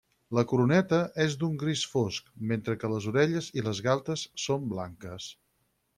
La coroneta és d'un gris fosc, mentre que les orelles i les galtes són blanques.